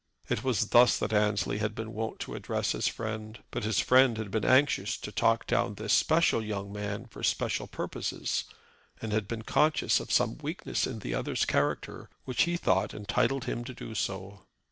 It was thus that Annesley had been wont to address his friend. But his friend had been anxious to talk down this special young man for special purposes, and had been conscious of some weakness in the other's character which he thought entitled him to do so.